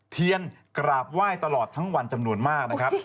เทียนกราบไหว้ตลอดทั้งวันจำนวนมากนะครับ